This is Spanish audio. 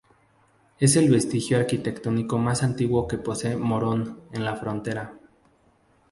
Es el vestigio arquitectónico más antiguo que posee Morón de la Frontera.